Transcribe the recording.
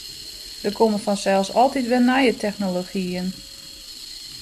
Der komme fansels altyd wer nije technologyen.